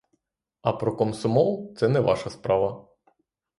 А про комсомол — це не ваша справа!